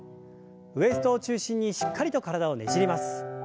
ウエストを中心にしっかりと体をねじります。